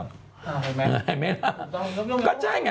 เห็นไหมล่ะก็ใช่ไง